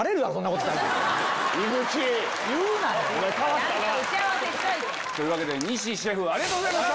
言うなよ。というわけで西シェフありがとうございました。